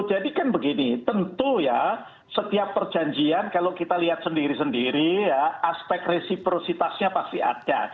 jadi kan begini tentu ya setiap perjanjian kalau kita lihat sendiri sendiri ya aspek resiprositasnya pasti ada